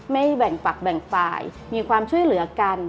แบ่งปักแบ่งฝ่ายมีความช่วยเหลือกัน